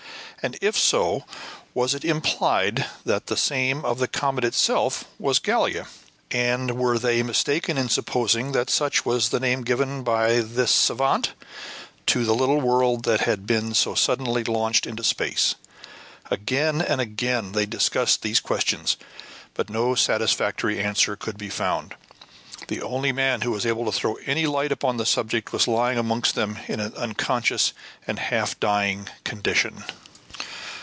and if so, was it implied that the name of the comet itself was Gallia, and were they mistaken in supposing that such was the name given by the savant to the little world that had been so suddenly launched into space? Again and again they discussed these questions; but no satisfactory answer could be found. The only man who was able to throw any light upon the subject was lying amongst them in an unconscious and half dying condition.